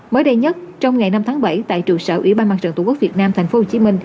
mới đây nhất trong ngày năm tháng bảy tại trụ sở ủy ban mặt trận tổ quốc việt nam tp hcm